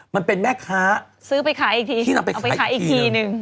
มันเป็นแม่ค้าซื้อไปขายอีกทีเอาไปขายอีกทีนึง